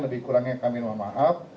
lebih kurangnya kami mohon maaf